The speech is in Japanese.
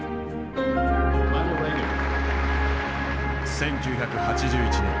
１９８１年